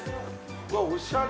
うわおしゃれ！